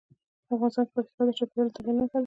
افغانستان کې پکتیکا د چاپېریال د تغیر نښه ده.